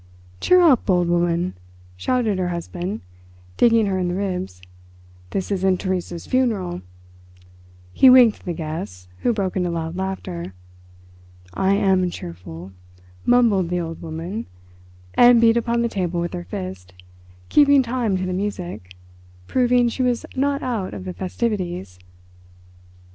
"Cheer up, old woman," shouted her husband, digging her in the ribs; "this isn't Theresa's funeral." He winked at the guests, who broke into loud laughter. "I am cheerful," mumbled the old woman, and beat upon the table with her fist, keeping time to the music, proving she was not out of the festivities.